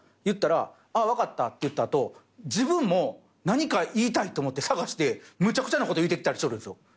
言ったら「ああ分かった」って言った後自分も何か言いたいって思って探してむちゃくちゃなこと言うてきたりしとるんすよ。